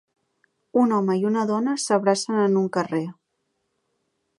Un home i una dona s'abracen en un carrer.